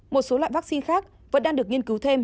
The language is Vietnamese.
một số loại vaccine khác vẫn đang được nghiên cứu thêm